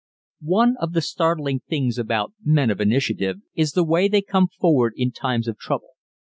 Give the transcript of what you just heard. _ One of the startling things about men of initiative is the way they come forward in times of trouble.